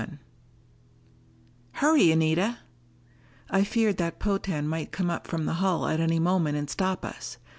XXXI "Hurry, Anita!" I feared that Potan might come up from the hull at any moment and stop us.